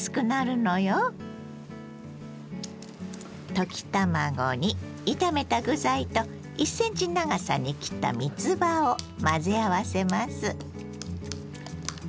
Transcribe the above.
溶き卵に炒めた具材と１ｃｍ長さに切ったみつばを混ぜ合わせます。